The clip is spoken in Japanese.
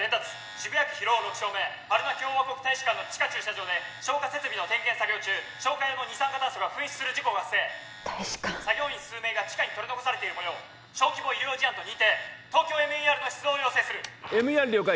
渋谷区広尾６丁目パルナ共和国大使館の地下駐車場で消火設備の点検作業中消火用の二酸化炭素が噴出する事故が発生大使館作業員数名が地下に取り残されているもよう小規模医療事案と認定ＴＯＫＹＯＭＥＲの出動を要請するＭＥＲ了解